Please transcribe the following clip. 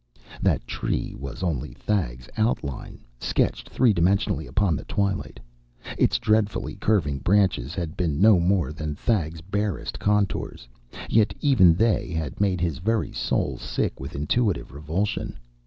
That Tree was only Thag's outline, sketched three dimensionally upon the twilight. Its dreadfully curving branches had been no more than Thag's barest contours, yet even they had made his very soul sick with intuitive revulsion.